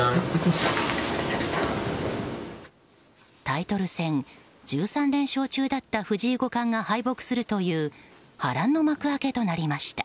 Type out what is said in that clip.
タイトル戦１３連勝中だった藤井五冠が敗北するという波乱の幕開けとなりました。